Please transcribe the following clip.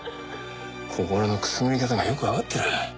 心のくすぐり方がよくわかってる。